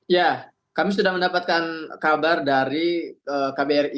ya kami sudah mendapatkan kabar dari kbri